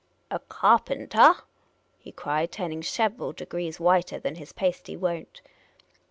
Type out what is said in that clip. " A carpentah ?" he cried, turning several degrees whiter than his pasty won't.